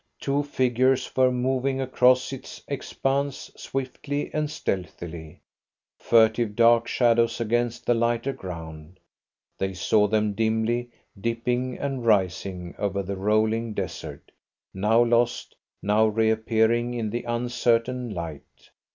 Two figures were moving across its expanse, swiftly and stealthily, furtive dark shadows against the lighter ground. They saw them dimly, dipping and rising over the rolling desert, now lost, now reappearing in the uncertain light.